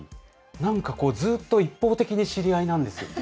何かこう、ずっと一方的に知り合いなんですよ。